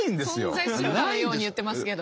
存在するかのように言ってますけど。